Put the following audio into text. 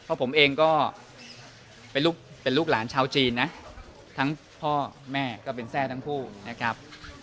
เพราะผมเองก็เป็นลูกเป็นลูกหลานชาวจีนนะทั้งพ่อแม่ก็เป็นแทร่ทั้งคู่นะครับ